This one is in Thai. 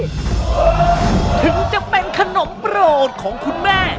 ถึงจะเป็นขนมโปรดของคุณแม่